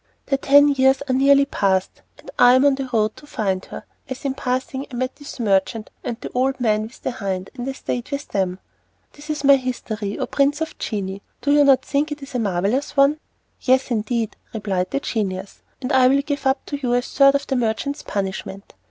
The ten years are nearly passed, and I am on the road to find her. As in passing I met this merchant and the old man with the hind, I stayed with them. This is my history, O prince of genii! Do you not think it is a most marvellous one? "Yes, indeed," replied the genius, "and I will give up to you the third of the merchant's punishment."